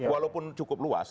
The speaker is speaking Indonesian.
walaupun cukup luas